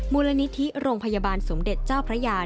มูลนิธิโรงพยาบาลสมเด็จเจ้าพระยา